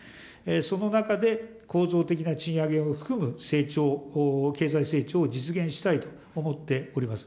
その中で、構造的な賃上げを含む成長、経済成長を実現したいと思っております。